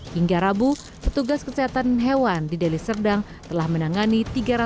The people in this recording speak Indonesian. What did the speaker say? hingga rabu petugas kesehatan hewan di deli serdang telah menangani